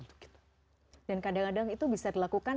dan kadang kadang itu bisa dilakukan